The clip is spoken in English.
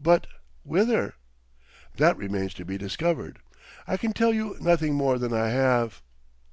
"But whither?" "That remains to be discovered; I can tell you nothing more than I have....